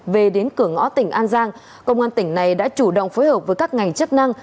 về đến cửa ngõ tỉnh an giang công an tỉnh này đã chủ động phối hợp với các ngành chức năng